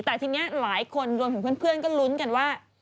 แต่ทีนี้หลายคนรวมถึงเพื่อนก็ลุ้นกันว่า